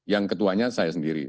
yang ketuanya saya sendiri